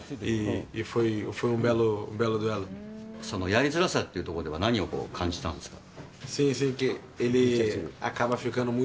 やりづらさってとこでは、何を感じたんですか？